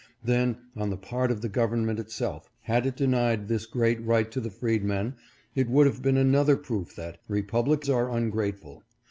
Then on the part of the government itself, had it denied this great right to the freedmen, it would have been another proof that " Republics are ungrateful."